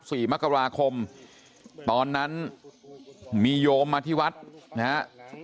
สี่มกราคมตอนนั้นมีโยมมาที่วัดนะฮะ